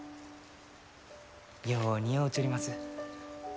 よう似合うちょります。